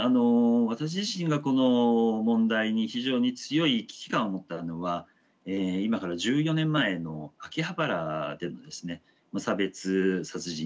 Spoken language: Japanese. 私自身がこの問題に非常に強い危機感を持ったのは今から１４年前の秋葉原での無差別殺人事件というものでした。